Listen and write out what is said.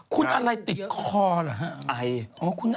คุณอะไรติดคอเหรอฮะ